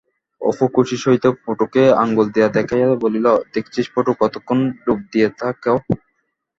অপু খুশির সহিত পটুকে আঙুল দিয়া দেখাইয়া বলিল, দেখছিস পটু, কতক্ষণ ড়ুব দিয়ে থাকে?